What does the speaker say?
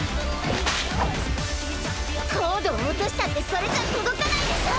高度を落としたってそれじゃ届かないでしょ！